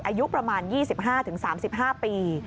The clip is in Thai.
อายุประมาณ๒๕๓๕ปี